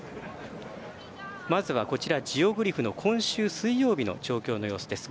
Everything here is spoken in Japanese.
まずはジオグリフの今週水曜日の調教の様子です。